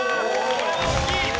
これは大きい！